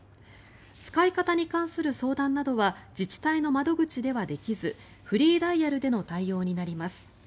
使い方に関する相談などは自治体の窓口ではできずフリーダイヤルでの対応になります。